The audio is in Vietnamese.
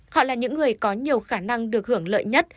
họ là những người có nhiều khả năng được hưởng lợi nhất